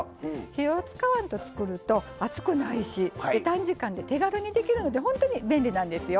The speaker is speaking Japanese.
火を使わんと作ると熱くないし短時間で手軽にできるので本当に便利なんですよ。